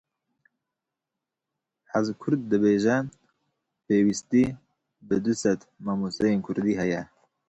Hezkurd dibêje; Pêwîstî bi du sed mamosteyên kurdî heye.